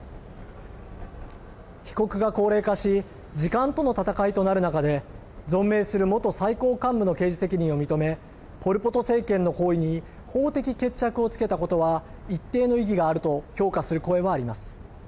被告が高齢化し時間との戦いとなる中で存命する元最高幹部の刑事責任を認めポル・ポト政権の行為に法的決着をつけたことは一定の意義があると評価する声もあります。